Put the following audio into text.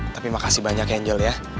tapi makasih banyak ya angel ya